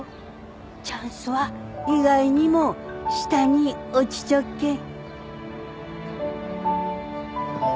チャンスは意外にも下に落ちちょっけん。